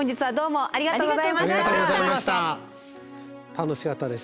楽しかったです。